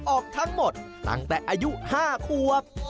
ออกทั้งหมดตั้งแต่อายุ๕ขวบ